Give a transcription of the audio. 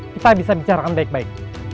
kita bisa bicarakan baik baik